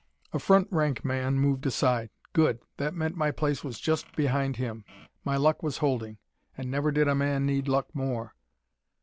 A front rank man moved aside. Good: that meant my place was just behind him. My luck was holding. And never did a man need luck more!